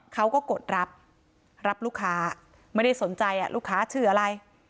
กดรับรับลูกค้าไม่ได้สนใจลูกค้าชื่ออะไร